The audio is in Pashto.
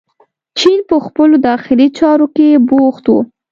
چین په خپلو داخلي چارو کې بوخت و.